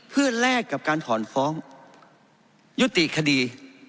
เพื่อแลกกับการถอนฟ้องยุติคดี